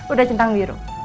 udah centang biru